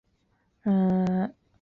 日本堤是东京都台东区的町名。